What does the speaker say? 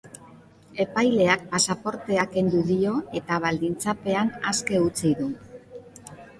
Epaileak pasaportea kendu dio eta baldintzapean aske utzi du.